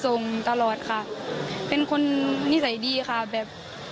ตลอดค่ะเป็นคนนิสัยดีค่ะแบบ